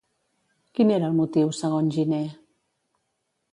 Quin era el motiu, segons Giner?